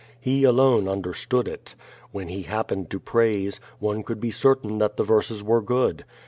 He alone un derstood it. When he happened to praise, one could be cer tain that the verses were good.